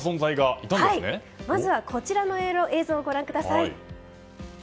まずはこちらの映像をご覧ください。